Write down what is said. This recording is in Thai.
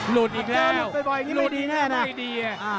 หลุดอีกแล้วหลุดอีกเลยไม่ดี